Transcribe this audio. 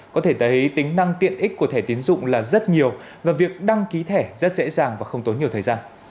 có thể thấy tính năng tiện ích của thẻ tiến dụng là rất nhiều và việc đăng ký thẻ rất dễ dàng và không tốn nhiều thời gian